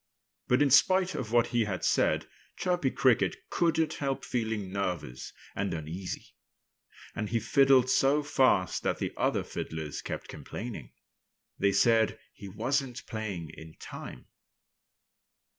But in spite of what he had said Chirpy Cricket couldn't help feeling nervous and uneasy. And he fiddled so fast that the other fiddlers kept complaining. They said he wasn't playing in time.